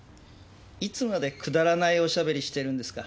いつまでくだらないおしゃべりしてるんですか？